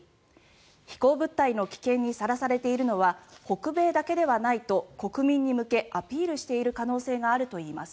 飛行物体の危険にさらされているのは北米だけではないと国民に向けアピールしている可能性があるといいます。